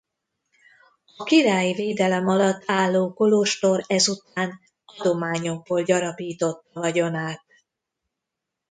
A királyi védelem alatt álló kolostor ezután adományokból gyarapította vagyonát.